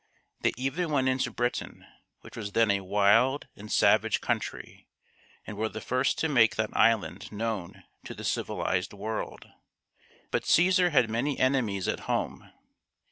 They even went into Britain, which was then a wild and savage country, and were the first to make that island known to the civilized world. But Caesar had many enemies at home.